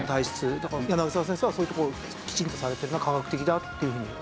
だから柳沢先生はそういうところをきちんとされてるな科学的だっていうふうに思いました。